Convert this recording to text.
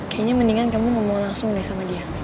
kayaknya mendingan kamu ngomong langsung deh sama dia